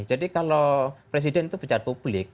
jadi kalau presiden itu pejabat publik